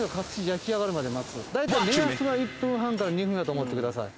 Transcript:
大体目安は１分半から２分やと思ってください